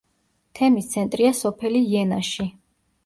თემის ცენტრია სოფელი იენაში.